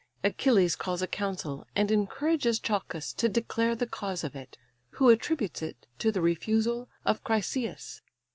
Achilles calls a council, and encourages Chalcas to declare the cause of it; who attributes it to the refusal of Chryseïs.